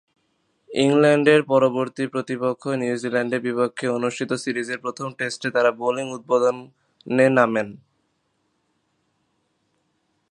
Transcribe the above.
ইংল্যান্ডের পরবর্তী প্রতিপক্ষ নিউজিল্যান্ডের বিপক্ষে অনুষ্ঠিত সিরিজের প্রথম টেস্টে তারা বোলিং উদ্বোধনে নামেন।